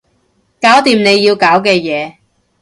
搞掂你要搞嘅嘢